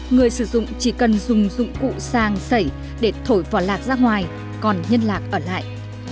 người sử dụng chỉ cần dùng dụng cụ sang sảy để thổi vỏ lạc ra ngoài còn nhân lạc ở lại